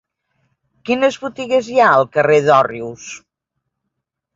Quines botigues hi ha al carrer d'Òrrius?